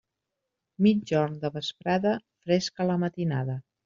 Migjorn de vesprada, fresca a la matinada.